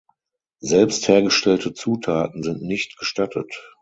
Selbst hergestellte Zutaten sind nicht gestattet.